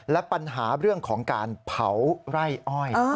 และปัญหาเรื่องของการเผาไร่อ้อย